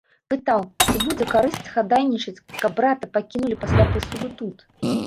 Пытаў, ці будзе карысць хадайнічаць, каб брата пакінулі пасля прысуду тут.